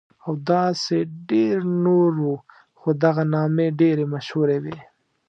او داسې ډېر نور وو، خو دغه نامې ډېرې مشهورې وې.